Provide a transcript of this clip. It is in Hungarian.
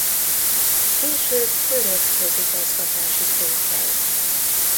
Később török közigazgatási székhely.